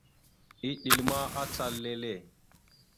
Eɗel ma, acal lele.